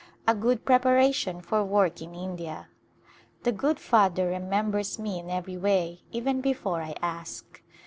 A good preparation for work in India ! The good Father remembers me in every way even before I ask.